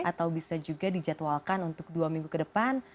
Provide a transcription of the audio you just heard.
atau bisa juga dijadwalkan untuk dua minggu ke depan